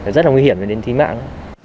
rất là nguy hiểm và đến thi mạng